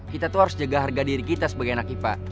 kita tuh harus jaga harga diri kita sebagai anak kita